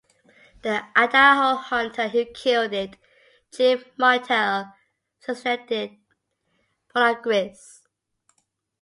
The Idaho hunter who killed it, Jim Martell, suggested polargrizz.